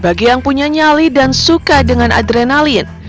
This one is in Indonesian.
bagi yang punya nyali dan suka dengan adrenalin